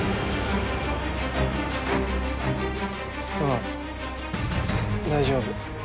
ああ大丈夫。